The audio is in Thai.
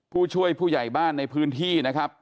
ผู้ช่วยผู้ใหญ่บ้านในพื้นที่นะครับ